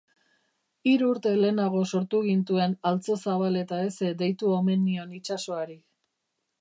Hiru urte lehenago sortu gintuen altzo zabal eta heze deitu omen nion itsasoari.